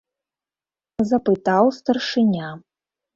- запытаў старшыня.